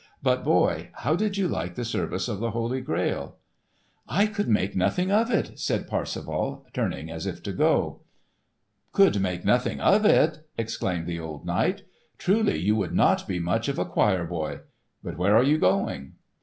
"But, boy, how did you like the service of the Holy Grail?" "I could make nothing of it," said Parsifal, turning as if to go. "Could make nothing of it!" exclaimed the old knight. "Truly you would not be much of a choir boy. But where are you going?"